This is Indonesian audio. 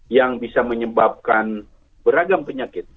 yang bisa menyebabkan beragam penyakit